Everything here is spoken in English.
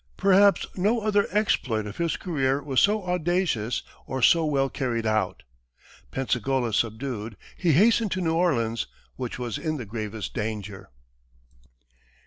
Perhaps no other exploit of his career was so audacious, or so well carried out. Pensacola subdued, he hastened to New Orleans, which was in the gravest danger.